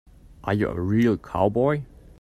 Are you a real cowboy?